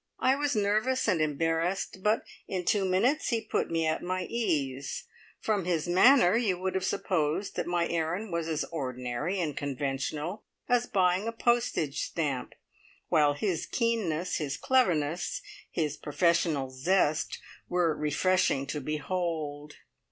I was nervous and embarrassed, but in two minutes he put me at my ease. From his manner you would have supposed that my errand was as ordinary and conventional as buying a postage stamp, while his keenness, his cleverness, his professional zest were refreshing to behold.